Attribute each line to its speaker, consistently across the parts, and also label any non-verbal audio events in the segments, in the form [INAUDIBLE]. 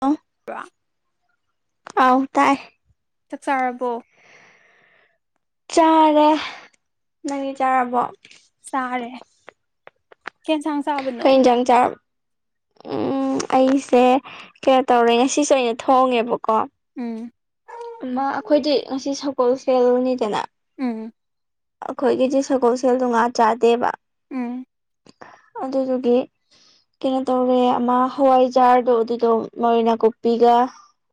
Speaker 1: ꯑꯣ
Speaker 2: ꯗꯨꯔꯥ
Speaker 1: ꯑꯥꯎ ꯇꯥꯏ
Speaker 2: ꯆꯛ ꯆꯥꯔꯕꯣ
Speaker 1: ꯆꯥꯔꯦ ꯅꯪꯒꯤ ꯆꯥꯔꯕꯣ
Speaker 2: ꯆꯥꯔꯦ ꯀꯩꯏꯟꯁꯥꯡ
Speaker 1: ꯀꯩꯏꯟꯖꯥꯡ ꯆꯥꯔꯕ ꯎꯝ ꯑꯩꯁꯦ ꯀꯌꯥ ꯇꯧꯔꯦ ꯉꯁꯤꯁꯨ ꯑꯩꯅ ꯊꯣꯡꯉꯦꯕꯀꯣ
Speaker 2: ꯎꯝ
Speaker 1: ꯑꯃ ꯑꯈꯣꯏꯗꯤ ꯉꯁꯤ ꯁꯪꯒꯣꯜ ꯁꯦꯜꯅꯤꯗꯅ
Speaker 2: ꯎꯝ
Speaker 1: ꯑꯈꯣꯏꯒꯤꯗꯤ ꯁꯪꯒꯣꯜꯁꯦꯜꯗꫭ ꯉꯥ ꯆꯥꯗꯦꯕ
Speaker 2: ꯎꯝ
Speaker 1: ꯑꯗꯨꯗꯨꯒꯤ ꯀꯩꯅꯣ ꯇꯧꯔꯦ ꯑꯃ ꯍꯋꯥꯏꯖꯥꯔꯗꯣ ꯑꯗꯨꯗꫭ ꯃꯔꯣꯏ ꯅꯥꯀꯨꯞꯄꯤꯒ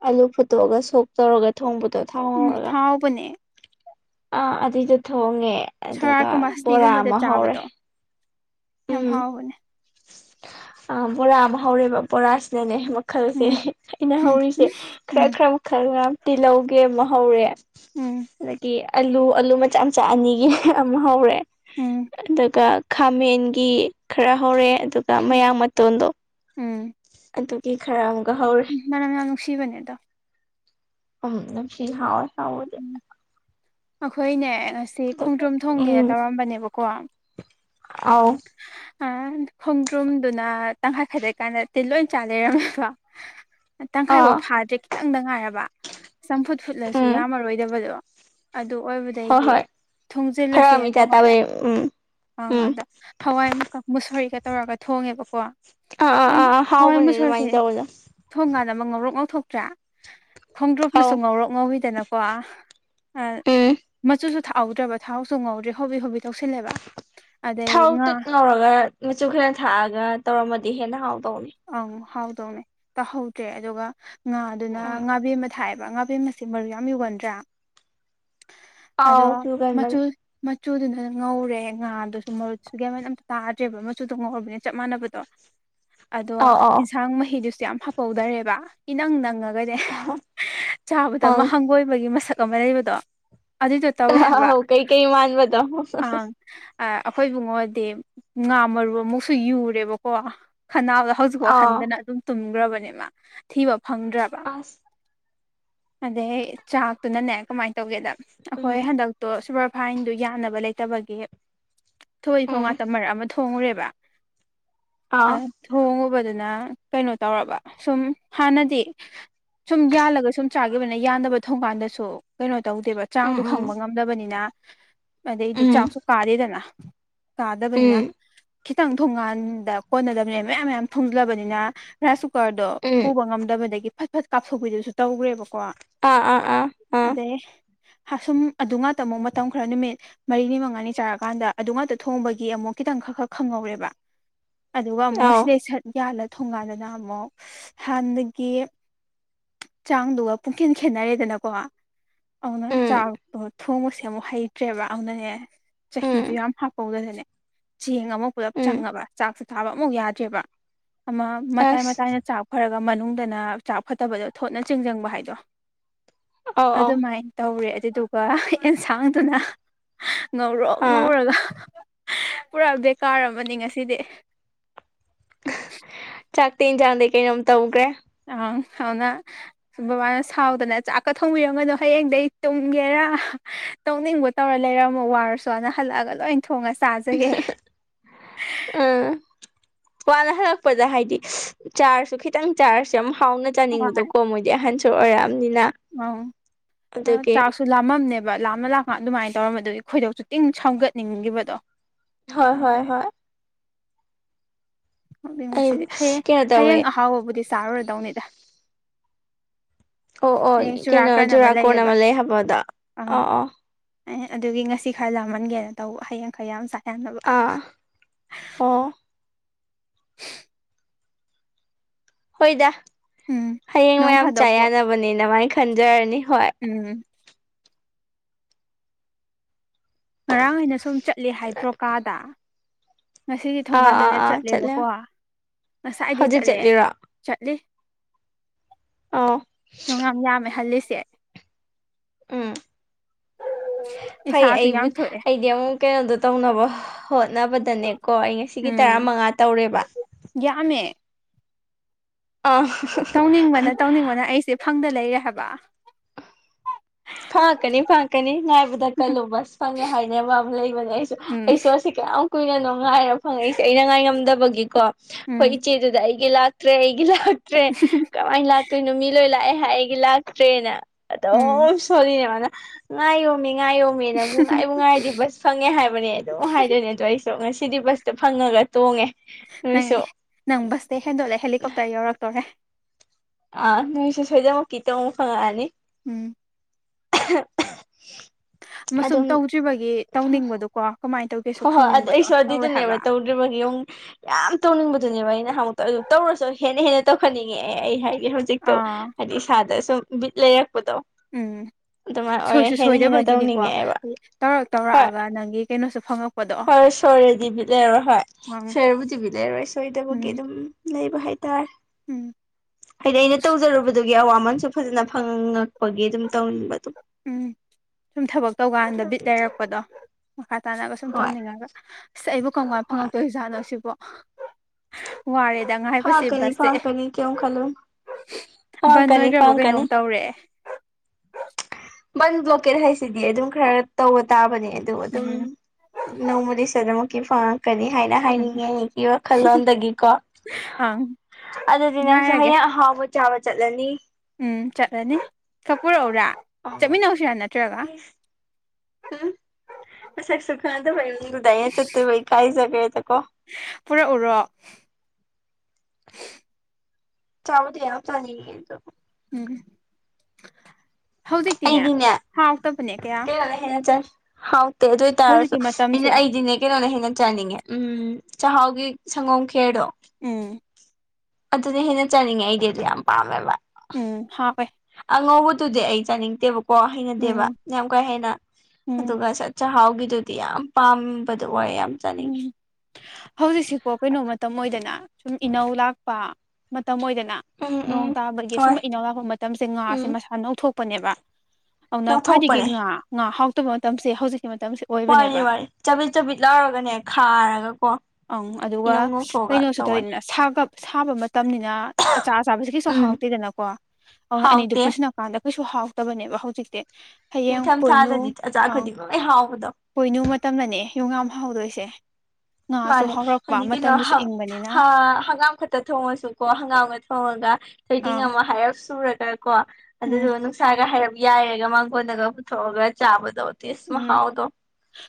Speaker 1: ꯑꯥꯂꯨ ꯐꯨꯠꯇꯣꯛꯑꯒ ꯁꯣꯛ ꯇꯧꯔꯒ ꯊꯣꯡꯕꯗꫭ
Speaker 2: ꯎꯝ
Speaker 1: ꯊꯥꯎꯉꯧꯔꯒ
Speaker 2: ꯍꯥꯎꯕꯅꯦ
Speaker 1: ꯑꯥ ꯑꯗꯨꯏꯗꯣ ꯊꯣꯡꯉꯦ ꯑꯗꯨꯒ
Speaker 2: ꯁꯣꯔꯥꯠꯀꯨꯝꯕ
Speaker 1: ꯕꯣꯔꯥ
Speaker 2: ꯍꯁꯇꯤꯒꯨꯝꯕꯗ
Speaker 1: ꯑꯃ ꯍꯧꯔꯦ
Speaker 2: ꯆꯥꯕꯗꯣ ꯌꯥꯝ
Speaker 1: ꯎꯝ
Speaker 2: ꯍꯥꯎꯕꯅꯦ
Speaker 1: ꯑ ꯕꫭꯔꯥ ꯃ ꯍꯧꯔꯦꯕ ꯕꫭꯔꯁꯤꯅꯅꯦ ꯑꯃ ꯃꯈꯜꯁꯦ
Speaker 2: ꯎꯝ
Speaker 1: ꯑꯩꯅ ꯍꯧꯔꯤꯁꯦ ꯈꯔ
Speaker 2: ꯎꯝ
Speaker 1: ꯈꯔ ꯃꯈꯜ ꯉꯥꯛ ꯇꯤꯜꯍꯧꯒꯤꯃ ꯍꯧꯔꯦ
Speaker 2: ꯎꯝ
Speaker 1: ꯑꯗꯒꯤ ꯑꯂꯨ ꯑꯂꯨ ꯃꯆꯥ ꯃꯆꯥ ꯑꯅꯤꯒꯤ ꯑꯃꯨꯛ ꯍꯧꯔꯦ
Speaker 2: ꯎꯝ
Speaker 1: ꯑꯗꯨꯒ ꯈꯥꯃꯦꯟꯒꯤ ꯈꯔ ꯍꯧꯔꯦ ꯑ ꯑꯗꯨꯒ
Speaker 2: ꯎꯝ
Speaker 1: ꯃꯌꯥꯝ ꯃꯇꫭꯟꯗꫭ ꯑꯗꯨꯒꯤ ꯈꯔ
Speaker 2: ꯎꯝ ꯃꯅꯝ ꯌꯥꯝ ꯅꯨꯡꯁꯤꯕꯅꯦ ꯑꯗꯣ
Speaker 1: ꯎꯝ ꯅꯨꯡꯁꯤ ꯍꯥꯎꯔꯦ ꯍꯥꯎꯕꯗꯤ
Speaker 2: ꯑꯈꯣꯏꯅꯦ ꯉꯁꯤ ꯈꯣꯡꯗ꯭ꯔꯨꯝ ꯊꯣꯡꯅꯦ
Speaker 1: ꯎꯝ
Speaker 2: ꯇꯧꯔꯝꯕꯅꯦꯕꯀꯣ
Speaker 1: ꯑꯥꯎ
Speaker 2: ꯑ ꯈꯣꯡꯗ꯭ꯔꯨꯝꯗꯨꯅ ꯇꯪꯈꯥꯏ ꯈꯥꯏꯗꯠ ꯀꯥꯟꯗ ꯇꯤꯟ ꯂꯣꯏ ꯆꯥ ꯂꯩꯔꯝꯃꯕ ꯇꯪꯈꯥꯏꯐꯧ
Speaker 1: ꯑꯥ
Speaker 2: ꯐꯥꯗ꯭ꯔꯦ ꯈꯤꯇꯪꯗꯪ ꯉꯥꯏꯔꯕ ꯆꯝꯐꯨꯠ ꯐꯨꯠꯂꯁꯨ
Speaker 1: ꯎꯝ
Speaker 2: ꯌꯥꯝꯃꯔꯣꯏꯗꯕꯗꯣ ꯑꯗꯨ
Speaker 1: ꯍꯣꯏ
Speaker 2: ꯑꯣꯏꯕꯗꯩꯗꯤ
Speaker 1: ꯍꯣꯏ ꯐꯔꯛ
Speaker 2: ꯊꯣꯡꯖꯤꯜꯂꯁꯦ
Speaker 1: ꯑꯃ ꯏꯇꯥ
Speaker 2: ꯇꯧꯀꯥꯟꯗ
Speaker 1: ꯇꯥꯕꯩ ꯎꯝ
Speaker 2: ꯑꯪ
Speaker 1: ꯎꯝ
Speaker 2: ꯑꯗ ꯍꯋꯥꯏꯃꯨꯛꯀ ꯃꯨꯛꯁꫭꯔꯤꯒ ꯇꯧꯔꯒ ꯊꯣꯡꯉꯦꯕꯀꯣ
Speaker 1: ꯑꯥ ꯑꯥ
Speaker 2: ꯑꯝ
Speaker 1: ꯑꯥ ꯑꯥ
Speaker 2: ꯍꯣꯏ
Speaker 1: ꯍꯥꯎꯕꯅꯦ ꯑꯗꯨꯃꯥꯏꯅ
Speaker 2: ꯃꯨꯁꯣꯔꯤꯁꯦ
Speaker 1: ꯇꯧꯕꯗꯣ
Speaker 2: ꯊꯣꯡ ꯀꯥꯟꯗ ꯑꯃ ꯉꯧꯔꯣꯛ ꯉꯧꯊꯣꯛꯇꯔ
Speaker 1: ꯑꯧ
Speaker 2: ꯈꯣꯡꯗ꯭ꯔꯨꯝꯗꯨꯁꯨ ꯉꯧꯔꯣꯛ ꯉꯧꯋꯤꯗꯅꯀꯣ ꯑ
Speaker 1: ꯎꯝ
Speaker 2: ꯃꯆꯨꯁꯨ ꯊꯥꯛꯍꯧꯗ꯭ꯔꯕ ꯊꯥꯎ ꯁꯨ ꯉꯧꯗ꯭ꯔꯦ ꯍꯣꯕꯦ ꯍꯣꯕꯦ ꯇꯧꯁꯤꯜꯂꯦꯕ ꯑꯗꯩ
Speaker 1: ꯇꯧ
Speaker 2: ꯉꯥ
Speaker 1: ꯇꯤꯠ ꯉꯧꯔꯒ ꯃꯆꯨ ꯈꯔ ꯊꯥꯛꯑꯒ ꯇꯧꯔꯝꯃꯗꯤ ꯍꯦꯟꯅ ꯍꯥꯎꯗꯧꯅꯤ
Speaker 2: ꯑꯪ ꯍꯥꯎꯗꯧꯅꯦ ꯇꯍꯧꯗꯦ ꯑꯗꯨꯒ ꯉꯥꯗꯨꯅ
Speaker 1: ꯎꯝ
Speaker 2: ꯉꯥꯕꯦꯝꯃ ꯊꯥꯏꯑꯕ ꯉꯥꯕꯦꯝ ꯃꯁ ꯃꯔꯨ ꯌꯥꯝ ꯌꯨꯒꯟꯗ꯭ꯔꯥ ꯑꯗꯣ
Speaker 1: ꯑꯥꯎ
Speaker 2: ꯃꯆꯨ
Speaker 1: ꯌꯨꯒꯟꯕꯅꯤ
Speaker 2: ꯃꯆꯨꯗꯨꯅ ꯉꯧꯔꯦ ꯉꯥꯗꯨꯁꯨ ꯃꯔꯨꯠꯁꯨꯒꯦ ꯃ ꯑꯝꯇ ꯇꯥꯗ꯭ꯔꯦꯕ ꯃꯆꯨꯗꯣ ꯉꯧꯔꯕꯅꯤꯅ ꯆꯞ ꯃꯥꯟꯅꯕꯗꯣ
Speaker 1: ꯎ
Speaker 2: ꯑꯗꯣ ꯌꯦꯟꯁꯥꯡ ꯃꯍꯤꯗꯨꯁꯨ ꯌꯥꯝ ꯍꯥꯞꯄꯧꯗꯔꯦꯕ ꯏꯅꯪ ꯅꯪ ꯀꯅꯦ ꯆꯥꯕꯗ
Speaker 1: ꯑꯪ
Speaker 2: ꯑꯃ ꯍꯪꯒꯣꯏꯕꯒꯤ ꯃꯁꯛ ꯑꯃ ꯂꯩꯕꯗꯣ ꯑꯗꯨꯏꯗꯣ ꯇꯧꯋꯦ ꯍꯥꯏꯕ
Speaker 1: ꯑꯥꯎ ꯀꯩꯀꯩ ꯃꯥꯟꯕꯗꯣ
Speaker 2: ꯑꯪ ꯑꯩꯈꯣꯏꯕꯨꯨꯡꯉꯗꯤ ꯉꯥ ꯃꯔꯨ ꯑꯃꯨꯛꯁꯨ ꯌꯨꯔꯦꯕꯀꯣ ꯈꯅꯥꯎꯗꯣ ꯍꯧꯖꯤꯛꯐꯥꯎ
Speaker 1: ꯑꯥꯎ
Speaker 2: ꯍꯟꯗꯅ ꯑꯗꯨꯝ ꯇꯨꯝꯈ꯭ꯔꯕꯅꯤꯃ ꯊꯤꯕ ꯐꯪꯗ꯭ꯔꯕ
Speaker 1: ꯑꯁ
Speaker 2: ꯑꯗꯩ ꯆꯥꯛꯇꯨꯅꯅꯦ ꯀꯃꯥꯏꯅ ꯇꯧꯒꯦꯗ ꯑꯩꯈꯣꯏ
Speaker 1: ꯎꯝ
Speaker 2: ꯍꯟꯗꯛꯇꯣ ꯁꯨꯔ ꯐꯥꯏꯟꯗꯨ ꯌꯥꯟꯅꯅꯕ ꯂꯩꯇꯕꯒꯤ ꯊꯣꯛꯣꯏꯏꯐꯧ
Speaker 1: ꯎꯝ
Speaker 2: ꯉꯥꯛꯇ ꯃꯔꯛ ꯑꯃ ꯊꯣꯡꯉꯨꯔꯦꯕ ꯑ
Speaker 1: ꯑꯥꯎ
Speaker 2: ꯊꯣꯡꯉꯨꯕꯗꯨꯅ ꯀꯩꯅꯣ ꯇꯧꯔꯕ ꯁꯨꯝ ꯍꯥꯟꯅꯗꯤ ꯁꯨꯝ ꯌꯥꯜꯂꯒ ꯁꯨꯝ ꯆꯥꯈꯤꯕꯅꯦ ꯌꯥꯗꯕ ꯊꯣꯡꯀꯥꯟꯗꯁꯨ ꯀꯩꯅꯣ ꯇꯧꯗꯦꯕ
Speaker 1: ꯎꯝ
Speaker 2: ꯆꯥꯡꯗꯣ
Speaker 1: ꯎꯝ
Speaker 2: ꯈꯪꯕ ꯉꯝꯗꯕꯅꯤꯅ ꯑꯗ ꯏꯗꯤ
Speaker 1: ꯎꯝ
Speaker 2: ꯆꯥꯛꯁꯨ ꯀꯥꯗꯦꯗꯅ ꯀꯥꯗꯕꯅꯤꯅ
Speaker 1: ꯎꯝ
Speaker 2: ꯈꯤꯇꯪ ꯊꯣꯡꯒꯥꯟꯗ ꯀꯣꯟꯅꯗꯕꯅꯦ ꯃꯌꯥꯝ ꯃꯌꯥꯝ ꯊꯣꯡꯖꯤꯜꯂꯕꯅꯤꯅ ꯔꯥꯏ ꯀꯨꯀꯔꯗꯣ
Speaker 1: ꯎꯝ
Speaker 2: ꯄꯨꯕ ꯉꯝꯗꯕꯗꯒꯤ ꯐꯠ ꯐꯠ ꯀꯥꯞꯊꯣꯛꯄꯤꯗꯨꯁꯨ ꯇꯧꯈ꯭ꯔꯦꯕꯀꯣ
Speaker 1: ꯑꯥ ꯑꯥ ꯑꯥ
Speaker 2: ꯑꯁꯨꯝ ꯑꯗꯨ ꯉꯥꯛꯇ ꯑꯃꯨꯛ ꯃꯇꯝ ꯈꯔ ꯅꯨꯃꯤꯠ ꯃꯔꯤꯅꯤ ꯃꯉꯥꯅꯤ ꯆꯥꯔꯛꯑꯀꯥꯟꯗ ꯑꯗꯨ ꯉꯥꯛꯇ ꯊꯣꯡꯕꯒꯤ ꯑꯃꯨꯛ ꯑꯃ ꯈꯤꯇꯪ ꯈꯔ ꯈ ꯈꯪꯍꯧꯔꯦꯕ ꯑꯗꯨꯒ ꯑꯃꯨꯛ
Speaker 1: ꯑꯥꯎ
Speaker 2: ꯉꯁꯤꯗꯩ ꯁ ꯊꯣꯡꯒꯥꯟꯗꯅ ꯑꯃꯨꯛ ꯍꯥꯟꯅꯗꯒꯤ ꯆꯥꯡꯗꯨꯒ ꯄꯨꯡꯈꯦꯟ ꯈꯦꯠꯅꯔꯦꯗꯅꯀꯣ ꯑꯗꯨꯅ
Speaker 1: ꯎꯝ
Speaker 2: ꯆꯥꯛꯇꯣ ꯊꯣꯡꯕꯁꯦ ꯑꯃꯨꯛ ꯍꯩꯇ꯭ꯔꯦꯕ ꯑꯗꯨꯅꯅꯦ
Speaker 1: ꯎꯝ
Speaker 2: ꯆꯍꯤꯗꯨ ꯌꯥꯝ ꯍꯥꯞꯄꯧꯗꯗꯅꯦ ꯆꯦꯡ ꯑꯃꯨꯛ ꯄꯨꯂꯞ
Speaker 1: ꯎꯝ
Speaker 2: ꯆꯪꯉꯕ ꯆꯥꯛꯁꯨ ꯊꯥꯕ ꯑꯃꯨꯛ ꯌꯥꯗ꯭ꯦꯕ ꯑꯃ ꯃꯇꯥꯏ
Speaker 1: ꯑꯁ
Speaker 2: ꯃꯇꯥꯏꯅ ꯆꯥꯎꯈꯔ ꯑꯗꯨꯒ ꯃꯅꯨꯡꯗꯅ ꯆꯥꯛ ꯐꯠꯇꯕꯗꯣ ꯊꯣꯠꯅ ꯆꯤꯡꯖꯪꯕ ꯍꯥꯏꯗꯣ
Speaker 1: ꯑꯧ ꯑꯧ
Speaker 2: ꯑꯗꯨꯃꯥꯏꯅ ꯇꯧꯔꯦ ꯑꯗꯨꯗꯨꯒ ꯑꯦꯟꯁꯥꯡꯗꯨꯅ ꯉꯧꯔꯣ
Speaker 1: ꯑꯥ
Speaker 2: ꯉꯧꯔꯒ ꯄꯨꯔꯥ ꯕꯦꯀꯥꯔ ꯑꯃꯅꯤ ꯉꯁꯤꯗꯤ
Speaker 1: ꯆꯥꯛꯇꯦꯟ ꯏꯟꯖꯥꯡꯗꯩ ꯀꯩꯅꯣꯝ ꯇꯧꯈ꯭ꯔꯦ
Speaker 2: ꯑꯪ ꯑꯗꯨꯅꯨꯝ ꯕꯕꯥꯅ ꯁꯥꯎꯗꯅ ꯆꯥꯛꯀ ꯊꯣꯡꯕꯤꯔꯝꯒꯅꯨ ꯍꯌꯦꯡꯗꯒꯤꯩ ꯇꯨꯝꯒꯦꯔ ꯇꯧꯅꯤꯡꯕ ꯇꯧꯔ ꯂꯩꯔꯝꯃꯣ ꯋꯥꯔꯁꯨꯅ ꯍꯜꯂꯛꯑꯒ ꯂꯣꯏ ꯊꯣꯡꯉꯁꯤꯦ ꯇꯥꯖꯒꯦ
Speaker 1: ꯎꯝ ꯋꯥꯅ ꯍꯜꯂꯛꯄꯗ ꯍꯥꯏꯗꯤ ꯆꯥꯔꯁꯨ ꯈꯤꯇꯪ ꯆꯥꯔꯁꯦ ꯑꯃ ꯍꯥꯎꯅ ꯆꯥꯅꯤꯡꯕꯗꯣꯀꯣ ꯃꯣꯏꯗꯤ ꯑꯍꯟꯁꯨ ꯑꯣꯏꯔꯝꯃꯤꯃꯦ
Speaker 2: ꯑ ꯆꯥꯛꯁꯨ ꯂꯥꯝꯃꯝꯅꯦꯕ ꯂꯥꯞꯃ ꯂꯥꯞꯃ ꯑꯗꯨꯃꯥꯏꯅ ꯇꯧꯔꯝꯕ ꯑꯗꯨꯗꯤ ꯑꯩꯈꯣꯏꯗꯣꯛꯁꯨ ꯇꯤꯡ ꯁꯝꯒꯠꯅꯤꯡꯈꯤꯕꯗꯣ
Speaker 1: ꯍꯣꯏ ꯍꯣꯏ ꯍꯣꯏ ꯑꯩ
Speaker 2: ꯉꯣꯛꯅꯤꯡꯕꯁꯤꯗꯤ ꯍꯌꯦꯡ
Speaker 1: ꯀꯩꯅꯣ ꯇꯧꯋꯦ
Speaker 2: ꯍꯌꯦꯡ ꯑꯍꯥꯎꯕꯕꯨꯗꯤ ꯆꯥꯔꯨꯔꯗꯧꯅꯤꯗ
Speaker 1: ꯑꯣ ꯑꯣ
Speaker 2: ꯍꯌꯦꯡ
Speaker 1: ꯀꯩꯅꯣ
Speaker 2: ꯆꯨꯔꯥꯀꯔꯟ ꯑꯃ
Speaker 1: ꯖꯨꯔꯥꯀꯣꯔꯟ
Speaker 2: ꯂꯩꯌꯦꯕ
Speaker 1: ꯂꯩ ꯍꯥꯏꯕꯗꯣ
Speaker 2: ꯑ
Speaker 1: ꯑꯣ ꯑꯣ
Speaker 2: ꯑꯦ ꯑꯗꯨꯒꯤ ꯉꯁꯤ ꯈꯔ ꯂꯥꯝꯃꯟꯒꯦꯅ ꯇꯧꯕ ꯍꯌꯦꯡꯈꯔ ꯌꯥꯝ ꯆꯥꯏ ꯍꯕ
Speaker 1: ꯑꯥ ꯑꯣ
Speaker 2: [INAUDIBLE]
Speaker 1: ꯍꯣꯏꯗ
Speaker 2: ꯎꯝ
Speaker 1: ꯍꯌꯦꯡ
Speaker 2: ꯅꯣꯡ
Speaker 1: ꯃꯌꯥꯝ
Speaker 2: ꯐꯥꯗꯣꯛꯄꯨ
Speaker 1: ꯆꯥꯌꯥꯅꯕꯅꯤꯅꯃꯥꯏꯅ ꯈꯟꯖꯔꯅꯤ ꯍꯣꯏ
Speaker 2: ꯎꯝ ꯉꯔꯥꯡ ꯑꯩꯅ ꯁꯨꯝ ꯆꯠꯂꯤ ꯍꯥꯏꯗ꯭ꯔꯣꯀꯥꯗ ꯉꯁꯤꯗꯤ
Speaker 1: ꯑꯥ
Speaker 2: ꯊꯣꯡꯒꯥꯜꯗ
Speaker 1: ꯑꯥ
Speaker 2: ꯑꯣꯏꯅ
Speaker 1: ꯑꯥ ꯆꯠꯂꯦ
Speaker 2: ꯆꯠꯂꯦꯕꯀꯣ ꯉꯁꯥꯏꯗꯤ
Speaker 1: ꯍꯧꯖꯤꯛ
Speaker 2: ꯆꯠꯂꯦ
Speaker 1: ꯆꯠꯂꯤꯔꯣ
Speaker 2: ꯆꯠꯂꯤ
Speaker 1: ꯑꯣ
Speaker 2: ꯌꯥꯝ ꯌꯥꯝꯃꯦ ꯍꯜꯂꯤꯁꯦ
Speaker 1: ꯎꯝ ꯐꯩ
Speaker 2: ꯏꯁꯥꯁꯨ
Speaker 1: ꯑꯩꯕꯨ
Speaker 2: ꯌꯥꯝ ꯊꯣꯛꯑꯦ
Speaker 1: ꯑꯩꯗꯤ ꯑꯃꯨꯛ ꯀꯩꯅꯣꯗꯣ ꯇꯧꯅꯕ ꯍꯣꯠꯅꯕ ꯗꯅꯦꯀꯣ ꯑꯩ ꯉꯁꯤꯒꯤ ꯇꯔꯥ ꯃꯉꯥ ꯇꯧꯔꯦꯕ
Speaker 2: ꯍꯦ
Speaker 1: ꯑꯥ
Speaker 2: ꯇꯧꯅꯤꯡꯕꯅ ꯇꯧꯅꯤꯡꯕꯅ ꯑꯩꯁꯦ ꯐꯪꯗ ꯂꯩꯔꯦ ꯍꯥꯏꯕ
Speaker 1: ꯐꯪꯉꯛꯀꯅꯤ ꯐꯪꯉꯛꯀꯅꯤ ꯉꯥꯏꯕꯗ ꯀꯜꯂꯨꯕꯁ ꯐꯪꯉꯦ ꯍꯥꯏꯅꯦꯕꯕ ꯂꯩꯕꯅꯦ ꯑꯩꯁꯨ
Speaker 2: ꯎꯝ
Speaker 1: ꯑꯩꯁꯨ ꯑꯁꯤ ꯀꯌꯥꯝ ꯀꯨꯏꯅꯅꯨꯡ ꯉꯥꯏꯔ ꯐꯪꯉꯛꯏꯁꯦ ꯑꯩꯅ ꯉꯥꯏ ꯉꯝꯗꯕꯒꯤꯀꯣ ꯑꯩꯈꯣꯏ
Speaker 2: ꯎꯝ
Speaker 1: ꯏꯆꯦꯗꯨꯗ ꯑꯩ ꯑꯩꯒꯤ ꯂꯥꯛꯇ꯭ꯔꯦ ꯑꯩꯒꯤ ꯂꯥꯛꯇ꯭ꯔꯦ ꯀꯃꯥꯏꯅ ꯂꯥꯛꯇꯣꯏꯅꯣ ꯃꯤ ꯂꯣꯏ ꯂꯥꯛꯑꯦ ꯍꯥꯏ ꯑꯩꯒꯤ ꯂꯥꯛꯇ꯭ꯔꯦꯅ
Speaker 2: ꯎꯝ
Speaker 1: [UNINTELLIGIBLE] ꯁꯔꯤꯅꯦ ꯃꯥꯥꯟ ꯉꯥꯏ ꯌꯃꯤ ꯉꯥꯏ ꯌꯣꯉꯦ ꯅꯪ ꯕꯨ ꯉꯥꯏ ꯨꯡ ꯉꯥꯏꯗꯤ ꯕꯁ ꯐꯪꯉꯦ ꯍꯥꯏꯕꯅꯦ ꯑꯗꯨꯝ ꯍꯥꯏꯗꯣꯏꯅꯦ ꯑꯗꯣ ꯑꯩꯁꯦ ꯑ ꯉꯁꯤꯗꯤ ꯕꯁꯇ ꯐꯪꯉꯒ ꯇꯣꯡꯉꯦ
Speaker 2: ꯅꯪ
Speaker 1: ꯅꯣꯏꯁꯨ
Speaker 2: ꯅꯪ ꯕꯁꯇꯦ ꯍꯦꯟꯗꯣꯂꯦ ꯍꯦꯂꯤꯀꯣꯞꯇꯔ ꯌꯧꯔꯛꯇꯣꯔꯦ
Speaker 1: ꯑ ꯅꯁꯤ ꯁꯑꯣꯏꯗ ꯃꯥꯛꯀꯤ ꯇꯑꯣꯡꯕ ꯐꯉꯛꯅꯤ
Speaker 2: ꯎꯝ
Speaker 1: [UNINTELLIGIBLE] ꯑꯗꯨꯝ
Speaker 2: ꯑꯃꯁꯨꯡꯁ ꯇꯧꯗ꯭ꯔꯤꯕꯒꯤ
Speaker 1: ꯐꯪ
Speaker 2: ꯇꯧꯅꯤꯡꯕꯗꯨꯣ ꯀꯣ ꯀꯃꯥꯏꯅ ꯇꯧ
Speaker 1: ꯍꯣꯏ ꯍꯣꯏ ꯑꯗꯨ ꯑꯩꯁꯨ ꯑꯗꯨꯏꯗꯨꯅꯦꯕ ꯇꯧꯗ꯭ꯔꯤꯕꯒꯤ ꯌꯧ ꯌꯥꯝ ꯇꯧꯅꯤꯡꯕꯗꯨꯅꯦꯕ ꯑꯩꯅ ꯍꯨꯛꯇ ꯑꯗꯨ ꯇꯧꯔꯁꯨ ꯍꯦꯟꯅ ꯍꯦꯟꯅ ꯇꯧꯍꯟꯅꯤꯡꯉꯦ ꯑꯩ ꯍꯥꯏꯗꯤ ꯍꯧꯖꯤꯛꯇꯣ
Speaker 2: ꯑꯥ
Speaker 1: ꯍꯥꯏꯗꯤ ꯏꯁꯥꯗ ꯁꯨꯝ ꯕꯤꯠ ꯂꯩꯔꯛ
Speaker 2: ꯎꯝ ꯁꯣꯏꯁꯨ
Speaker 1: ꯍꯦꯟꯅ ꯍꯦꯟꯅ
Speaker 2: ꯁꯣꯏꯗꯕꯩꯗꯨꯅꯤꯀꯣ
Speaker 1: ꯇꯧꯅꯤꯡꯉꯛꯑꯦꯕ
Speaker 2: ꯇꯧꯔꯛ
Speaker 1: ꯍꯣꯏ
Speaker 2: ꯇꯧꯔꯛꯑꯒ ꯅꯪꯒꯤ ꯀꯩꯅꯣꯁꯨ ꯐꯪꯉꯛꯄ
Speaker 1: ꯍꯣꯏ ꯁꯣꯏꯔꯗꯤꯕꯤ ꯂꯩꯔꯣꯏ ꯍꯣꯏ
Speaker 2: ꯎꯝ
Speaker 1: ꯁꯣꯏꯔꯕꯨꯗꯤ ꯚ ꯂꯩꯔꯣꯏ ꯁꯣꯏꯗꯕꯒꯤ
Speaker 2: ꯎꯝ
Speaker 1: ꯑꯗꯨꯝ ꯂꯩ ꯍꯥꯏꯔꯦ
Speaker 2: ꯎꯝ
Speaker 1: ꯍꯥꯏꯗꯤ ꯑꯩꯅ ꯇꯧꯖꯔꯨꯕꯗꯨꯒꯤ ꯑꯋꯥꯃꯟꯁꯨ ꯐꯖꯅ ꯐꯪ ꯉꯛꯄꯒꯤ ꯑꯗꯨꯝ ꯇꯧꯟꯕ ꯑꯗꯨꯝ
Speaker 2: ꯎꯝ ꯁꯨꯝ ꯊꯕꯛ ꯇꯧꯀꯥꯟꯗ ꯕꯤꯠ ꯂꯩꯔꯛꯄꯗꯣ ꯃꯈꯥ ꯇꯥꯟꯅꯔꯒ ꯁꯨꯝ
Speaker 1: ꯍꯣꯏ
Speaker 2: ꯇꯧꯅꯤꯡꯉꯒ ꯑꯩꯕꯨ ꯀꯝ ꯀꯥꯏꯅ
Speaker 1: ꯍꯣꯏ
Speaker 2: ꯐꯪꯉꯛꯇꯣꯏꯖꯥꯠꯅꯣ ꯁꯤꯕꯣ ꯋꯥꯔꯦꯗ ꯉ ꯍꯥꯏꯕꯁ
Speaker 1: ꯐꯪꯉꯛꯀꯅꯤ
Speaker 2: ꯕꯁꯁꯦ
Speaker 1: ꯐꯪꯉꯛꯀꯅꯤ ꯀꯩꯝ ꯈꯜꯂꯨꯅꯨ
Speaker 2: ꯕꯟ
Speaker 1: ꯐꯪꯉꯛꯀꯅꯤ
Speaker 2: ꯑꯣꯏꯈ꯭ꯔꯕꯣ
Speaker 1: ꯐꯪꯉꯛꯀꯅꯤ
Speaker 2: ꯀꯩꯅꯣꯝ ꯇꯧꯔꯦ
Speaker 1: ꯕꯟ ꯕ꯭ꯂꯣꯀꯦꯠ ꯍꯥꯏꯁꯤꯗꯤ ꯑꯗꯨꯝ ꯈꯔ ꯇꯧꯕ ꯇꯥꯕꯅꯦ ꯑꯗꯣ ꯑꯗꯨꯝ
Speaker 2: ꯎꯝ
Speaker 1: ꯅꯣꯡꯃꯗꯤ ꯁꯗꯃꯛꯀꯤ ꯐꯉ ꯀꯅꯤ ꯍꯥꯏꯅ
Speaker 2: ꯎꯝ
Speaker 1: ꯍꯥꯏꯅꯤꯡꯉꯦ ꯑꯩꯒꯤ ꯋꯥꯈꯜꯂꯣꯟꯣꯗꯒꯤꯀꯣ
Speaker 2: ꯑꯪ
Speaker 1: ꯑꯗꯨꯗꯤ ꯅꯪꯁꯨ
Speaker 2: ꯉꯥꯏꯔꯒꯦ
Speaker 1: ꯍꯌꯦꯡ ꯑꯍꯥꯎꯕ ꯆꯥꯕ ꯆꯠꯂꯅꯤ
Speaker 2: ꯎꯝ ꯆꯠꯂꯅꯤ ꯈꯛ ꯄꯨꯔꯛꯎꯔꯥ
Speaker 1: ꯑꯣ
Speaker 2: ꯆꯠꯃꯤꯟꯅꯧꯁꯤꯔꯥ ꯅꯠꯇ꯭ꯔꯒ
Speaker 1: ꯎꯝ ꯑꯁꯥ ꯁꯨꯈꯅꯗ ꯄꯅ ꯗ [UNINTELLIGIBLE] ꯀꯥꯏꯖꯒꯦ [UNINTELLIGIBLE] ꯇ ꯀꯣ
Speaker 2: ꯄꯨꯔꯛꯎꯔꯣ
Speaker 1: ꯆꯥꯎꯕꯗ ꯌꯥꯝ ꯆꯅꯤ
Speaker 2: ꯎꯝ ꯍꯧꯖꯤꯛꯇꯤꯅꯦ
Speaker 1: ꯑꯩꯗꯤꯅꯦ
Speaker 2: ꯍꯥꯎꯇꯕꯅꯦ ꯀꯌꯥ
Speaker 1: ꯍꯥꯎ ꯇꯦ ꯑꯗꯨ ꯑꯣꯏ ꯇꯔꯁꯨ
Speaker 2: ꯍꯧꯖꯤꯛꯀꯤ
Speaker 1: ꯑꯩꯅ
Speaker 2: ꯃꯇꯝꯁꯦ
Speaker 1: ꯑꯩꯗꯤꯅꯦ ꯀꯩꯅꯣꯅꯦ ꯆꯥꯅꯤꯡꯉꯦ ꯎꯝ ꯆꯥꯛꯍꯥꯎꯒꯤ ꯁꯪꯒꯣꯝ ꯈꯦꯗꯣ
Speaker 2: ꯎꯝ
Speaker 1: ꯑꯗꯨꯗꯤ ꯍꯦꯟꯅ ꯆꯠꯅꯤꯡꯉꯦ ꯑꯩꯗꯤ ꯑꯗꯨ ꯌꯥꯝ ꯄꯥꯝꯃꯦꯕ
Speaker 2: ꯎꯝ ꯍꯥꯎꯋꯦ
Speaker 1: ꯑꯉꯧꯕ ꯑꯗꯨꯨꯗꯤ ꯑꯩ ꯆꯥꯅꯤꯡꯗꯦꯕꯀꯣ
Speaker 2: ꯎꯝ
Speaker 1: ꯍꯩꯅꯗꯦꯕ ꯌꯥꯝ ꯀꯥꯏ ꯍꯦꯅ
Speaker 2: ꯎꯝ
Speaker 1: ꯑꯗꯨꯒ ꯆꯥꯛꯍꯥꯎꯒꯤ ꯑꯗꯨꯗꯤ ꯌꯥꯝ ꯄꯥꯝꯕꯗꯣ ꯑꯣꯏ ꯌꯥꯝ ꯆꯥꯅꯤꯡꯉꯤ
Speaker 2: ꯎꯝ ꯍꯧꯖꯤꯛꯁꯤꯀꯣ ꯀꯩꯅꯣ ꯃꯇꯝ ꯑꯣꯏꯗꯅ ꯁꯨꯝ ꯏꯅꯧ ꯂꯥꯛꯄ ꯃꯇꯝ ꯑꯣꯏꯗꯅ
Speaker 1: ꯎꯝ ꯎꯝ
Speaker 2: ꯅꯣꯡ ꯇꯥꯕꯒꯤ ꯁꯨꯝ
Speaker 1: ꯍꯣꯏ
Speaker 2: ꯏꯅꯑꯧ ꯂꯥꯛꯄ ꯃꯇꯝꯁꯦ ꯉꯥꯁꯦ
Speaker 1: ꯎꯝ
Speaker 2: ꯃꯁꯥ ꯅꯧꯊꯣꯛꯄꯅꯦꯕ ꯑꯗꯨꯅ ꯈ꯭ꯋꯥꯏꯗꯒꯤ
Speaker 1: ꯅꯧꯊꯣꯛꯄꯅꯦ
Speaker 2: ꯉꯥ ꯉꯥ ꯍꯥꯎꯇꯕ ꯃꯇꯝꯁꯦ ꯍꯧꯖꯤꯛ
Speaker 1: ꯋꯥꯅꯤ ꯋꯥꯅꯤ ꯆꯥꯕꯤꯠ ꯆꯕꯤꯠ ꯂꯧꯔꯒꯅꯦ ꯈꯥꯔꯒ ꯀꯣ
Speaker 2: ꯑꯪ ꯑꯗꯨꯒ ꯀꯩꯅꯣꯁꯨ ꯇꯧꯋꯅꯤꯅꯒ ꯁꯥꯕ ꯃꯇꯝꯅꯤꯅ ꯑꯆꯥ ꯑꯆꯥꯥꯕꯁꯤ ꯀꯩꯁꯨ ꯍꯥꯎ
Speaker 1: ꯎꯝ
Speaker 2: ꯇꯤꯗꯅꯀꯣ ꯑꯗꯨꯅ ꯑꯅꯤꯗꯨ
Speaker 1: ꯍꯥꯎꯇꯦ
Speaker 2: ꯄꯨꯟꯁꯤꯜꯂꯀꯥꯟꯗ ꯀꯩꯁꯨ ꯍꯥꯎꯇꯕꯅꯦꯕ ꯍꯧꯖꯤꯛꯇꯤ ꯍꯌꯦꯡ ꯄꯣꯏꯅꯨ
Speaker 1: ꯅꯤꯡꯊꯝꯊꯥꯗꯗꯤ ꯑꯆꯥ
Speaker 2: ꯑ
Speaker 1: ꯈꯨꯗꯤꯡꯃꯛ ꯂꯣꯏ ꯍꯥꯎꯕꯗꯣ
Speaker 2: ꯄꯣꯏꯅꯨ ꯃꯇꯝꯗꯅꯦ ꯌꯨꯝꯉꯥ ꯁꯦ
Speaker 1: ꯃꯥꯅꯦ ꯍꯥꯏꯗꯤ ꯀꯩꯅꯣ ꯍꯪꯒꯥꯝ ꯈꯛꯇ ꯊꯣꯡꯉꯁꯨꯀꯣ ꯍꯪꯒꯥꯝꯒ ꯊꯣꯡꯉꯒ ꯊꯣꯏꯗꯤꯉ
Speaker 2: ꯑꯪ
Speaker 1: ꯑꯃ ꯍꯥꯏꯞ ꯁꯨꯔ ꯀꯣ
Speaker 2: ꯎꯝ
Speaker 1: ꯑꯗꯨꯗꯨꯒ ꯅꯨꯡꯁꯥꯒ ꯍꯥꯏꯔꯞ ꯌꯥꯏꯔꯒ ꯃꯥꯡꯒꯣꯟꯗꯒ ꯄꯨꯊꯣꯛꯑꯒ ꯆꯥꯕꯗꯣ ꯇꯦꯁ
Speaker 2: ꯎꯝ
Speaker 1: ꯃꯍꯥꯎꯗꯣ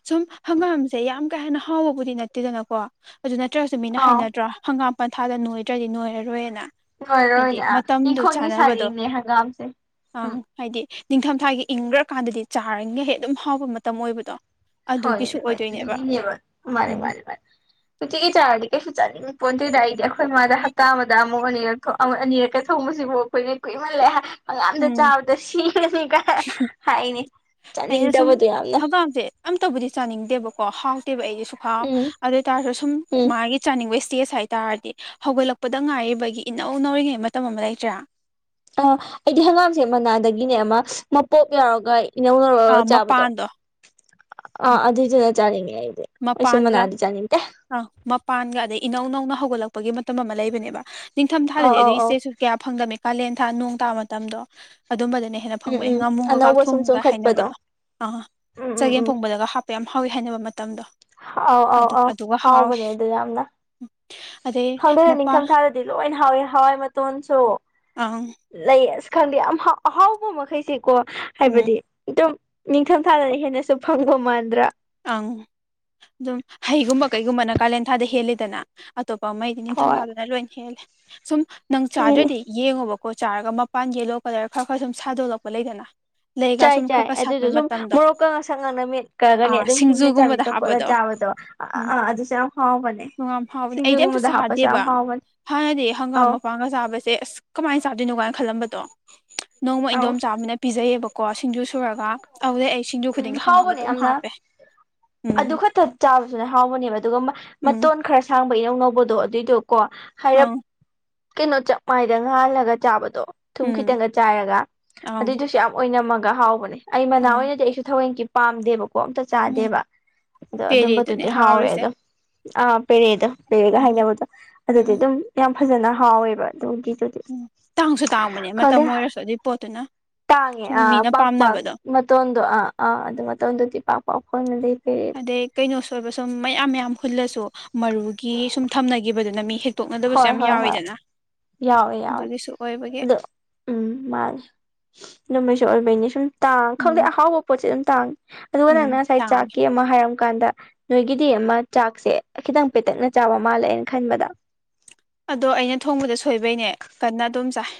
Speaker 2: ꯁꯨꯝ ꯍꯪꯒꯥꯝꯁꯦ ꯌꯥꯝ ꯀ ꯍꯦꯅ ꯍꯥꯎꯕꯕꯨꯗꯤ ꯅꯠꯇꯦꯗꯅꯀꯣ ꯑꯗꯨ ꯅꯠꯇ꯭ꯔꯒꯁꯨ ꯃꯤꯅ
Speaker 1: ꯑꯥꯎ
Speaker 2: ꯍꯥꯏꯅꯗ꯭ꯔꯥ ꯍꯪꯒꯥꯝ ꯄꯟꯊꯥꯗ ꯅꯣꯏꯗ꯭ꯔꯗꯤ ꯅꯣꯏꯔꯔꯣꯏꯅ ꯍꯥꯏꯗꯤ
Speaker 1: ꯂꯣꯏꯔꯣꯏꯅꯦ
Speaker 2: ꯃꯇꯝꯗꯨ
Speaker 1: ꯏꯪꯈꯣꯜꯒꯤ
Speaker 2: ꯆꯥꯅꯕꯗꯣ
Speaker 1: ꯁꯥꯔꯤꯅꯦ ꯍꯪꯒꯥꯝꯁꯦ
Speaker 2: ꯑꯪ
Speaker 1: ꯎꯝ
Speaker 2: ꯍꯥꯏꯗꯤ ꯅꯤꯡꯊꯝꯊꯥꯒꯤ ꯏꯪꯈ꯭ꯔꯀꯥꯟꯗꯗꯤ ꯆꯥꯔꯤꯉꯩ ꯍꯦꯛ ꯑꯗꯨꯝ ꯍꯥꯎꯕ ꯃꯇꯝ ꯑꯣꯏꯕꯗꯣ
Speaker 1: ꯍ
Speaker 2: ꯑꯗꯨꯒꯤꯁꯨ
Speaker 1: ꯍ
Speaker 2: ꯑꯣꯏꯗꯣꯏꯅꯦꯕ
Speaker 1: ꯑꯗꯨꯒꯤꯕ ꯃꯥꯅꯤꯦ
Speaker 2: ꯎꯝ
Speaker 1: ꯃꯥꯔꯦ ꯃꯥꯦ ꯑꯗꯨ ꯆꯥꯀꯦ ꯆꯠꯅꯤꯡꯉ ꯄꯣꯟꯁꯤꯗ ꯑꯩꯗꯤ ꯑꯩꯈꯣꯏ ꯃꯥꯗ ꯍꯞꯇꯥ ꯑꯃꯗ ꯑꯃꯨꯛ ꯑꯅꯤꯔꯛ ꯑꯅꯤꯔꯛꯀ ꯊꯣꯡꯕꯁꯤꯕꯨ ꯑꯩꯈꯣꯏꯗꯤ ꯀꯨꯏꯃꯜꯂꯦ ꯑꯉꯥꯝꯗ
Speaker 2: ꯎꯝ
Speaker 1: ꯆꯥꯕꯗ ꯁꯤꯔꯁꯤ ꯀ ꯍꯥꯏꯅꯤ ꯆꯥꯅꯤꯡꯗꯕꯗꯣ ꯌꯥꯝꯅ
Speaker 2: ꯑꯝꯇꯧꯕꯗꯤ ꯆꯥꯅꯤꯡꯗꯦꯕꯀꯣ ꯍꯥꯎꯇꯦꯕ ꯑꯩꯗꯤꯁꯨ ꯍꯥꯎ
Speaker 1: ꯎꯝ
Speaker 2: ꯑꯗꯨ ꯑꯣꯏ ꯇꯔꯁꯨ ꯁꯨꯝ
Speaker 1: ꯎꯝ
Speaker 2: ꯃꯥꯒꯤ ꯅꯤꯡꯕ ꯏꯁꯇꯦꯖ ꯍꯥꯏ ꯇꯥꯔꯗꯤ ꯍꯧꯒꯠꯂꯛꯄꯗ ꯉꯥꯏꯔꯤꯕꯒꯤ ꯏꯅꯧ ꯅꯧꯔꯤꯉꯩ ꯃꯇꯝ ꯑꯃ ꯂꯩꯇ꯭ꯔꯥ
Speaker 1: ꯑꯥ ꯑꯩꯗꯤ ꯍꯪꯒꯥꯝꯁꯦ ꯃꯅꯥꯗꯒꯤꯅꯦ ꯑꯃ ꯃꯄꯣꯞ ꯌꯥꯎꯔꯒ ꯏꯅꯧ ꯅꯔꯒ
Speaker 2: ꯑꯥ
Speaker 1: ꯆꯥꯕꯗꯣ
Speaker 2: ꯃꯄꯥꯟꯗꯣ
Speaker 1: ꯑꯥ ꯑꯗꯨꯏꯗꯨꯅ ꯆꯥꯅꯤꯡꯉ ꯦ ꯁꯨꯃꯅꯥꯗꯖ ꯅꯤꯡꯇ
Speaker 2: ꯑ ꯃꯄꯥꯟꯒ ꯑꯗꯩ ꯏꯅꯧ ꯅꯧꯅ ꯍꯧꯒꯠꯂꯛꯄꯒꯤ ꯃꯇꯝ ꯑꯃ ꯂꯩꯕꯅꯦꯕ ꯅꯤꯡꯊꯝꯊꯥꯗꯗꯤ
Speaker 1: ꯑꯧ ꯑꯧ
Speaker 2: ꯑꯗꯨꯒꯤ
Speaker 1: ꯑꯧ
Speaker 2: ꯏꯁꯇꯦꯁꯨ ꯀꯌꯥ ꯐꯪꯗꯝꯃꯤ ꯀꯥꯂꯦꯟ ꯊꯥ ꯅꯣꯡ ꯇꯥ ꯃꯇꯝꯗꯣ ꯑꯗꯨꯝꯕꯗ ꯍꯦꯟꯅ
Speaker 1: ꯎꯝ
Speaker 2: ꯐꯪꯕꯅꯤ
Speaker 1: ꯎꯝ
Speaker 2: ꯉꯥꯃꯣꯒ ꯀ
Speaker 1: ꯑꯅꯧꯕ ꯁꯨꯝ
Speaker 2: ꯊꯣꯡꯒ
Speaker 1: ꯆꯣꯡꯈꯠꯄꯗꯣ
Speaker 2: ꯍꯥꯏꯅꯕꯗꯣ ꯑ
Speaker 1: ꯎꯝ ꯎꯝ
Speaker 2: ꯆꯒꯦꯝ
Speaker 1: ꯎꯝ
Speaker 2: ꯐꯣꯡꯕꯗꯒ ꯍꯥ ꯌꯥꯝ ꯍꯥꯎꯋꯤ ꯍꯥꯏꯅꯕ ꯃꯇꯝꯗꯣ
Speaker 1: ꯑꯧ ꯑꯧ
Speaker 2: ꯑꯗꯨꯗ
Speaker 1: ꯍꯥꯎꯕꯅꯦ ꯑꯗꯨ ꯌꯥꯝꯅ
Speaker 2: ꯑꯗꯩ
Speaker 1: ꯈꯪꯗꯅ
Speaker 2: ꯃꯄꯥꯟ
Speaker 1: ꯅꯤꯡꯊꯝ ꯊꯥꯗꯗꯤ ꯂꯣꯏ ꯍꯥꯎꯋꯦ ꯍꯋꯥꯏ ꯃꯇꯣꯟꯁꯨ
Speaker 2: ꯑꯪ
Speaker 1: ꯂꯩ ꯑ ꯈꯪꯗꯦ ꯌꯥꯝ ꯑꯍꯥꯎꯕ ꯃꯈꯩꯁꯦꯀꯣ
Speaker 2: ꯎꯝ
Speaker 1: ꯍꯥꯏꯕꯗꯤ ꯑꯗꯨꯝ ꯅꯤꯡꯊꯝ ꯊꯥꯗꯅ ꯍꯦꯟꯅꯁꯨ ꯐꯪꯕ ꯃꯥꯟꯗ꯭ꯔꯥ
Speaker 2: ꯑꯪ ꯑꯗꯨꯝ ꯍꯩꯒꯨꯝꯕ ꯀꯩꯒꯨꯝꯕꯅ ꯀꯥꯂꯦꯟ ꯊꯥꯗ ꯍꯦꯜꯂꯤꯗꯅ ꯑꯇꯣꯞꯄ ꯃꯩꯗꯤ
Speaker 1: ꯍꯣꯏ
Speaker 2: ꯅꯤꯡꯊꯝꯊꯥꯗꯅ ꯂꯣꯏꯅ ꯍꯦꯜꯂꯦ ꯁꯨꯝ ꯅꯪ
Speaker 1: ꯍꯦꯜꯂꯤ
Speaker 2: ꯆꯥꯗ꯭ꯔꯗꯤ ꯌꯦꯡꯉꯣꯕꯀꯣ ꯀꯣ ꯆꯥꯔꯒ ꯃꯄꯥꯟ ꯌꯦꯂꯣ ꯀꯂꯔ ꯈꯔ ꯈꯔ ꯁꯨꯝ ꯁꯥꯗꯣꯛꯂꯛꯄ ꯂꯩꯗꯅ ꯂꯩꯒ
Speaker 1: ꯆꯥꯏ
Speaker 2: ꯁꯨꯝ ꯈꯔ
Speaker 1: ꯆꯥꯏ
Speaker 2: ꯈꯔ
Speaker 1: ꯑꯗꯨꯗꯣ
Speaker 2: ꯁꯥꯠꯄꯩ
Speaker 1: ꯁꯨꯝ
Speaker 2: ꯃꯇꯝꯗꯣ
Speaker 1: ꯃꯣꯔꯣꯛꯀ ꯉ ꯁꯪ ꯉꯅ ꯃꯦꯠꯀ
Speaker 2: ꯑꯥ
Speaker 1: ꯑꯗꯨꯝ ꯍꯤꯡ
Speaker 2: ꯁꯤꯡꯖꯨꯒꯨꯝꯕꯗ
Speaker 1: ꯆꯕꯤꯣꯂ
Speaker 2: ꯍꯥꯞꯄꯗꯣ
Speaker 1: ꯆꯥꯕꯗꯣ ꯑ
Speaker 2: ꯎꯝ
Speaker 1: ꯑꯥ ꯑꯗꯨꯁꯨ ꯌꯥꯝ ꯍꯥꯎꯕꯅꯦ
Speaker 2: ꯌꯥꯝ ꯍꯥꯎꯕꯅꯦ ꯑꯩꯗꯤ ꯑꯝꯇ
Speaker 1: ꯁꯤꯡꯖꯨꯒꯨꯝꯕꯗ ꯍ ꯍꯥꯁ ꯌꯥꯝ
Speaker 2: ꯆꯥꯗꯦꯕ
Speaker 1: ꯍꯥꯎꯃ
Speaker 2: ꯍꯥꯟꯅꯗꯤ ꯍꯪꯒꯥꯝ ꯃꯄꯥꯡꯒ ꯆꯥꯕꯁꯦ ꯑꯁ ꯀꯃꯥꯏꯅ ꯆꯥꯗꯣꯏꯅꯣ ꯀꯥꯏꯅ ꯈꯜꯂꯝꯕ ꯑꯗꯣ ꯅꯣꯡꯃ
Speaker 1: ꯑꯧ
Speaker 2: ꯏꯟꯗꯣꯝ ꯆꯥꯕꯅ ꯄꯤꯖꯩꯌꯦꯕꯀꯣ ꯁꯤꯡꯖꯨ ꯁꯨꯔꯒ ꯑꯗꯨꯗꯦ ꯑꯩ ꯁꯤꯡꯖꯨ
Speaker 1: ꯎꯝ
Speaker 2: ꯈꯨꯗꯤꯡꯒꯤ ꯍꯪꯒꯥꯝ
Speaker 1: ꯍꯥꯎꯕꯅꯦ
Speaker 2: ꯑꯗꯨꯝ
Speaker 1: ꯌꯥꯝꯅ
Speaker 2: ꯍꯥꯞ
Speaker 1: ꯑꯗꯨ ꯈꯛꯇ ꯆꯥꯕꯁꯨꯅꯦ ꯍꯥꯎꯕꯅꯦꯕ ꯑꯗꯨꯒ
Speaker 2: ꯎꯝ
Speaker 1: ꯃꯇꯣꯟ ꯈꯔ ꯑꯥꯡꯕ ꯏꯅꯧ ꯅꯧꯕꯗꯣ ꯑꯗꯨꯏꯗꯨꯣꯀꯣ ꯍꯥꯏꯔꯞ
Speaker 2: ꯑꯪ
Speaker 1: ꯀꯩꯅꯣ ꯆꯞ ꯃꯥꯏꯗ ꯉꯥꯜꯂꯒ ꯆꯥꯕꯗꯣ ꯊꯨꯝ
Speaker 2: ꯎꯝ
Speaker 1: ꯈꯤꯇꯪꯒ ꯆꯥꯏꯔꯒ
Speaker 2: ꯑꯪ
Speaker 1: ꯑꯗꯨꯏꯗꯨꯁꯨ ꯌꯥꯝ ꯑꯣꯏꯅꯝꯃꯒ ꯍꯥꯎꯕꯅꯦ ꯑꯩ ꯃꯅꯥ
Speaker 2: ꯑꯪ
Speaker 1: ꯑꯣꯏꯅꯗꯤ ꯑꯩꯁꯨ ꯊꯋꯦꯟꯒꯤ ꯄꯥꯝꯗꯦꯕꯣ ꯀꯣꯛ ꯑꯝꯇ
Speaker 2: ꯎꯝ
Speaker 1: ꯆꯥꯗꯦꯕ ꯑꯗꯣ
Speaker 2: ꯄꯦꯔꯦꯗꯨꯅꯦ
Speaker 1: ꯑꯗꯨꯝꯕꯗꯨꯗꯤ ꯍꯥꯎꯋꯦ
Speaker 2: ꯍꯥꯎꯔꯤꯁꯦ
Speaker 1: ꯑꯗꯣ ꯄꯦꯔꯦꯗ ꯂꯩꯔꯒ
Speaker 2: ꯎꯝ
Speaker 1: ꯍꯥꯏꯅꯕꯗꯣ ꯑꯗꯨꯗꯤ
Speaker 2: ꯎꯝ
Speaker 1: ꯑꯗꯨꯝ ꯌꯥꯝ ꯐꯖꯅ ꯍꯥꯎꯋꯦꯕ ꯑꯗꯨꯒꯤꯗꯨꯗꯤ
Speaker 2: ꯎꯝ ꯇꯥꯡꯁꯨ ꯇꯥꯡꯕꯅꯦ ꯃꯇꯝ
Speaker 1: ꯈꯪꯗꯦ
Speaker 2: ꯑꯣꯏꯔꯁꯨ ꯑꯗꯨꯏ ꯄꯣꯠꯇꯨꯅ
Speaker 1: ꯇꯥꯡꯉꯦ
Speaker 2: ꯁꯨꯝ
Speaker 1: ꯑꯥ
Speaker 2: ꯃꯤꯅ
Speaker 1: ꯄꯥꯛꯄꯥꯛꯥꯛ
Speaker 2: ꯄꯥꯝꯅꯕꯗꯣ
Speaker 1: ꯃꯇꯣꯟꯗꯣ ꯑꯥ ꯑꯥ ꯑꯗꯨ ꯃꯇꯣꯟꯗꯨꯗꯤ ꯄꯥꯛ ꯄꯥꯛ ꯐꯣꯟꯅ ꯂꯩꯇꯦ
Speaker 2: ꯑꯗꯩ ꯀꯩꯅꯣꯁꯨ ꯑꯣꯏꯕ ꯁꯨꯝ ꯃꯌꯥꯝ ꯃꯌꯥꯝ ꯍꯨꯜꯂꯁꯨ ꯃꯔꯨꯒꯤ ꯁꯨꯝ ꯊꯝꯅꯈꯤꯕꯗꯨꯅ ꯃꯤ ꯍ ꯇꯣꯛꯅꯗꯕꯁꯨ
Speaker 1: ꯍꯣꯏ
Speaker 2: ꯌꯥꯝ
Speaker 1: ꯍꯣꯏ ꯍꯣꯏ
Speaker 2: ꯌꯥꯎꯋꯤꯗꯅ
Speaker 1: ꯌꯥꯎꯋꯦ ꯌꯥꯎꯋꯦ
Speaker 2: ꯑꯗꯨꯒꯤꯁꯨ ꯑꯣꯏꯕꯒꯤ
Speaker 1: ꯑꯗꯣ ꯎꯝ ꯃꯥꯂ ꯅꯃꯩꯁꯨ ꯑꯣꯏꯕꯩꯅꯤ ꯁꯨꯝ ꯇꯥꯡ ꯈꯪꯗꯦ
Speaker 2: ꯎꯝ
Speaker 1: ꯑꯍꯥꯎꯕ ꯄꯣꯠꯁꯦ ꯑꯗꯨꯝ ꯇꯥꯡꯉ ꯑꯗꯨꯒ ꯅꯪꯅ
Speaker 2: ꯎꯝ
Speaker 1: ꯉꯁꯥꯏ
Speaker 2: ꯇꯥꯡꯉꯦ
Speaker 1: ꯆꯥꯛꯀꯤ ꯑꯃ ꯍꯥꯏꯔ ꯀꯥꯟꯗ ꯅꯣꯏꯒꯤꯗꯤ ꯑꯃ ꯆꯥꯛꯁꯦ ꯈꯤꯇꯪ ꯄꯦꯇꯛꯅ ꯆꯥꯕ ꯃꯥꯜꯂꯦꯅ ꯈꯟꯕꯗ
Speaker 2: ꯑꯗꯣ ꯑꯩꯅ ꯊꯣꯡꯕꯗ ꯁꯣꯏꯕꯩꯅꯦ ꯀꯟꯅ ꯑꯗꯨꯝ ꯆꯥꯏ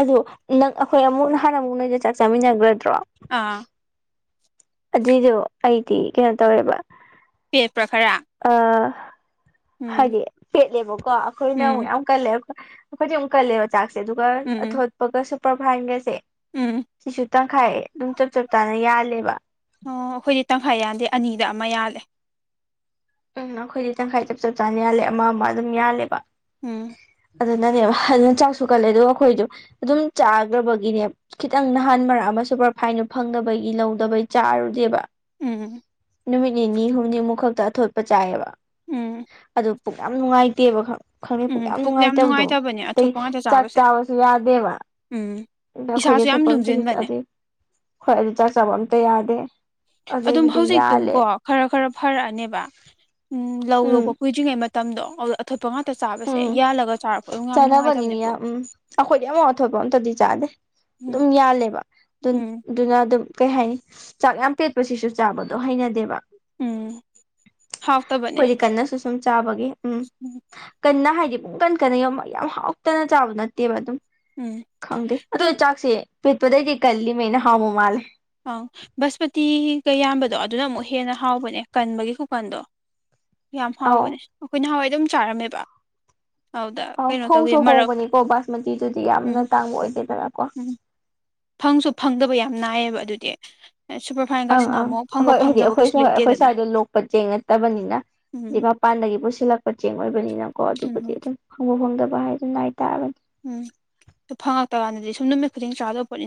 Speaker 1: ꯑꯗꯣ ꯅꯪ ꯑꯩꯈꯣꯏ ꯑꯃꯨꯛ ꯅꯍꯥꯟ ꯑꯃꯨꯛ ꯅꯣꯏꯗ ꯆꯥꯛ ꯆꯥꯃꯤꯟꯅꯒ꯭ꯔꯗ꯭ꯔꯣ
Speaker 2: ꯑꯥ
Speaker 1: ꯑꯗꯨꯏꯗꯣ ꯑꯩꯗꯤ ꯀꯩꯅꯣ ꯇꯧꯋꯦꯕ
Speaker 2: ꯄꯦꯠꯄ꯭ꯔ ꯈꯔ ꯎꯝ
Speaker 1: ꯍꯥꯏꯗꯤ ꯄꯦꯠꯂꯦꯕꯀꯣ ꯑꯩꯈꯣꯏꯅ ꯑꯃꯨꯛ
Speaker 2: ꯎꯝ
Speaker 1: ꯌꯥꯝ ꯀꯜꯂꯦ ꯑꯩꯈꯣ ꯑꯩꯈꯣꯏꯗꯤ ꯑꯃꯨꯛ ꯀꯜꯂꯦꯕ ꯆꯥꯛꯁ ꯁꯦ ꯑꯗꯨꯒ
Speaker 2: ꯎꯝ ꯎꯝ
Speaker 1: ꯑꯊꯣꯠꯄꯒ ꯁꯨꯄꯔꯐꯥꯏꯟꯒꯁꯦ
Speaker 2: ꯎꯝ
Speaker 1: ꯁꯤꯁꯨ ꯇꯪꯈꯥꯏ ꯑꯗꯨꯝ ꯆꯞ ꯆꯞ ꯆꯥꯅ ꯌꯥꯜꯂꯦꯕ
Speaker 2: ꯑꯣ ꯑꯩꯈꯣꯏꯗꯤ ꯇꯪꯈꯥꯏ ꯌꯥꯟꯗꯦ ꯑꯅꯤꯗ ꯑꯃ ꯌꯥꯜꯂꯦ
Speaker 1: ꯎꯝ ꯑꯩꯈꯣꯏꯗꯤ ꯇꯪꯈꯥꯏ ꯆꯞ ꯆꯞ ꯆꯥꯅ ꯌꯥꯜꯂꯦ ꯑꯃ ꯑꯃ ꯑꯗꯨꯝ ꯌꯥꯜꯂꯦꯕ
Speaker 2: ꯎꯝ
Speaker 1: ꯑꯗꯨꯅꯅꯦꯕ ꯑꯗꯨꯅ ꯆꯥꯛꯁꯨ ꯀꯜꯂꯦ ꯑꯗꯨꯒ ꯑꯩꯈꯣꯏꯗꯨ ꯑꯗꯨꯝ ꯆꯥꯒ꯭ꯔꯕꯒꯤꯅꯦ ꯈꯤꯇꯪ ꯅꯍꯥꯟ ꯃꯔꯛ ꯑꯃ ꯁꯨꯄꯔ ꯐꯥꯏꯟꯗꯨ ꯐꯪꯗꯕꯒꯤ ꯂꯧꯗꯕꯩ ꯆꯥꯔꯨꯗꯦꯕ
Speaker 2: ꯎꯝ
Speaker 1: ꯅꯨꯃꯤꯠ ꯅꯤꯅꯤ ꯍꯨꯝꯅꯤꯃꯨꯛ ꯈꯛꯇ ꯑꯊꯣꯠꯄ ꯆꯥꯏꯑꯦꯕ
Speaker 2: ꯎꯝ
Speaker 1: ꯑꯗꯨ ꯄꯨꯛ ꯌꯥꯝ ꯅꯨꯡꯉꯥꯏꯇꯦꯕ ꯈꯪ ꯈꯪꯗꯦ
Speaker 2: ꯎꯝ
Speaker 1: ꯄꯨꯛ ꯌꯥꯝ ꯅꯨꯡꯉꯥꯏꯇꯕꯗꯣ
Speaker 2: ꯅꯨꯡꯉꯥꯏꯇꯕꯅꯦ
Speaker 1: ꯑꯇꯩ
Speaker 2: ꯑꯊꯣꯠꯄ ꯉꯥꯛꯇ
Speaker 1: ꯆꯥꯛ
Speaker 2: ꯆꯥꯕꯁꯦ
Speaker 1: ꯆꯥꯕꯁꯨ ꯌꯥꯗꯦꯕ
Speaker 2: ꯎꯝ
Speaker 1: ꯑꯗ ꯑꯩꯈꯣꯏꯗꯤ
Speaker 2: ꯏꯁꯥꯁꯨ ꯌꯥꯝ
Speaker 1: ꯊꯣꯠꯄ ꯑꯝꯇꯁꯨ
Speaker 2: ꯂꯨꯝꯁꯤꯟꯕꯅꯦ
Speaker 1: ꯆꯥꯗꯦ ꯍꯣꯏ ꯑꯗꯨ ꯆꯥꯛ ꯆꯥꯕ ꯑꯝꯇ ꯌꯥꯗꯦ
Speaker 2: ꯑꯗꯨꯝ
Speaker 1: ꯑꯗꯩꯕꯨꯗꯤ ꯌꯥꯜꯂꯦ
Speaker 2: ꯍꯧꯖꯤꯛꯇꯨꯝꯀꯣ ꯈꯔ ꯈꯔ ꯐꯔꯛꯑꯅꯦꯕ ꯎꯝ ꯂꯧ
Speaker 1: ꯎꯝ
Speaker 2: ꯂꯣꯛꯄ ꯀꯨꯏꯗ꯭ꯔꯤꯉꯩ ꯃꯇꯝꯗꯣ ꯑꯧꯗ ꯑꯊꯣꯠ ꯄ ꯉꯥꯛꯇ ꯆꯥꯕꯁꯦ
Speaker 1: ꯎꯝ
Speaker 2: ꯌꯥꯜꯂꯒ ꯆꯥꯔꯛꯄꯩ ꯌꯣꯡ ꯌꯥꯝ
Speaker 1: ꯆꯥꯅꯕꯅꯤ
Speaker 2: ꯅꯨꯡꯉꯥꯏꯇꯕꯅꯦ ꯄꯨꯛ
Speaker 1: ꯃꯤꯌꯥꯝ ꯎꯝ ꯑꯩꯈꯣꯏꯗꯤ ꯑꯃꯥꯎ ꯑꯊꯣꯠꯄ ꯑꯝꯇꯗꯤ ꯆꯥꯗꯦ ꯑꯗꯨꯝ ꯌꯥꯜꯂꯦꯕ ꯑꯗꯨ
Speaker 2: ꯎꯝ
Speaker 1: ꯑꯗꯨꯅ ꯑꯗꯨꯝ ꯀꯩ ꯍꯥꯏꯅꯤ ꯆꯥꯛ ꯌꯥꯝ ꯄꯦꯠꯄꯁꯤꯁꯨ ꯆꯥꯕꯗꯣ ꯍꯩꯅꯗꯦꯕ
Speaker 2: ꯎꯝ ꯍꯥꯎꯇꯕꯅꯦ
Speaker 1: ꯑꯩꯈꯣꯏꯗꯤ ꯀꯟꯅꯁꯨ ꯁꯨꯝ ꯆꯥꯕꯒꯤ ꯎꯝ ꯀꯟꯅ ꯍꯥꯏꯗꯤ ꯄꯨꯡ ꯀꯟ ꯀꯟꯅ ꯌꯣꯝ ꯌꯥꯝ ꯍꯥꯎꯇꯅ ꯆꯥꯕꯗꯣ ꯅꯠꯇꯦꯕ ꯑꯗꯨꯝ
Speaker 2: ꯎꯝ
Speaker 1: ꯈꯪꯗꯦ ꯑꯗꯨ
Speaker 2: ꯑꯗꯨꯝ
Speaker 1: ꯑꯩ ꯆꯥꯛꯁꯦ ꯄꯦꯠꯄꯗꯩꯗꯤ ꯀꯜꯂꯤꯃꯩꯅ ꯍꯥꯎꯕ ꯃꯥꯜꯂꯦ
Speaker 2: ꯑꯪ ꯕꯁꯄꯇꯤꯒ ꯌꯥꯝꯕꯗꯣ ꯑꯗꯨꯅ ꯑꯃꯨꯛ ꯍꯦꯟꯅ ꯍꯥꯎꯕꯅꯦ ꯀꯟꯕꯒꯤ ꯈꯨꯀꯟꯗꯣ ꯌꯥꯝ
Speaker 1: ꯑꯧ
Speaker 2: ꯍꯥꯎꯕꯅꯦ ꯑꯩꯈꯣꯏ ꯅꯍꯥꯟꯋꯥꯏ ꯗꯨꯝ ꯆꯥꯔꯝꯃꯦꯕ ꯑꯗꯨꯗ
Speaker 1: ꯑꯣ
Speaker 2: ꯀꯩꯅꯣ ꯇꯧꯒꯤ
Speaker 1: ꯍꯣꯡꯁꯨ
Speaker 2: ꯃꯔꯛ
Speaker 1: ꯍꯣꯡꯕꯅꯤꯀꯣ ꯕꯥꯁꯃꯇꯤꯗꯨꯗꯤ ꯌꯥꯝꯅ
Speaker 2: ꯎꯝ
Speaker 1: ꯇꯥꯡꯕ ꯑꯣꯏꯗꯦꯗꯅ
Speaker 2: ꯎꯝ ꯐꯪꯁꯨ ꯐꯪꯗꯕ ꯌꯥꯝ ꯅꯥꯏꯌꯦꯕ ꯑꯗꯨꯗꯤ
Speaker 1: ꯑꯪ
Speaker 2: ꯁꯨꯄꯔꯐꯥꯏꯟꯒꯁꯤꯅ
Speaker 1: ꯑꯪ
Speaker 2: ꯑꯃꯨꯛ ꯐꯪꯕ
Speaker 1: ꯍꯣꯏ ꯍꯥꯏꯗꯤ
Speaker 2: ꯐꯪꯗꯕ ꯀꯩꯁꯨ
Speaker 1: ꯑꯩꯈꯣꯏꯁꯨ ꯍ ꯑꯩꯈꯣꯏ
Speaker 2: ꯂꯩꯇꯦꯗꯅ
Speaker 1: ꯁ꯭ꯋꯥꯏꯗ ꯂꯣꯛꯄ ꯆꯦꯡ ꯅꯠꯇꯕꯅꯤꯅ ꯗꯤ
Speaker 2: ꯎꯝ
Speaker 1: ꯃꯄꯥꯟꯗꯒꯤ ꯄꯨꯁꯤꯜꯂꯛꯄ ꯆꯦꯡ ꯑꯣꯏꯕꯅꯤꯅꯀꯣ ꯑꯗꯨꯕꯨꯗꯤ
Speaker 2: ꯎꯝ
Speaker 1: ꯑꯗꯨꯝ ꯐꯪꯕ ꯐꯪꯗꯕ ꯍꯥꯏꯗꯨ ꯅꯥꯏꯇꯥꯕꯅꯤ
Speaker 2: ꯎꯝ ꯗꯨ ꯐꯪꯉꯛꯇꯀꯥꯟꯗꯗꯤ ꯁꯨꯝ ꯅꯨꯃꯤꯠ ꯈꯨꯗꯤꯡ ꯆꯥꯗꯧ ꯄꯣꯠꯅꯤ